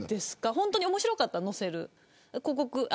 本当に面白かったら載せる。